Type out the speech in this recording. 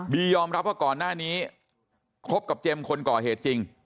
ยอมรับว่าก่อนหน้านี้คบกับเจมส์คนก่อเหตุจริง